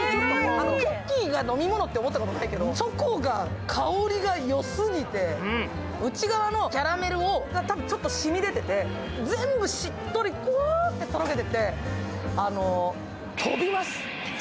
クッキーが飲み物って思ったことないけど、チョコが濃厚すぎて内側のキャラメルがちょっと染み出てて、全部しっとり、とろって溶けてて飛びます！